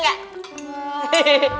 masa dulu nih